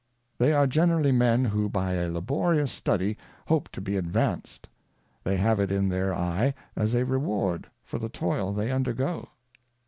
They are generally Men who by a laborious study hope to be advanced : They have it in their Eye as a Reward for the Toil they undergo.